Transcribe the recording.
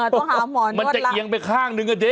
ต้องหาหมอนมันจะเอียงไปข้างนึงอ่ะสิ